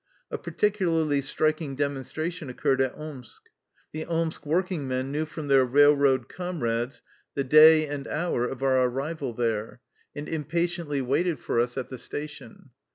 A particularly striking demonstration occurred at Omsk. The Omsk workingmen knew from their railroad comrades the day and hour of our ar rival there, and impatiently waited for us at the 170 THE LIFE STOEY OF A RUSSIAN EXILE station.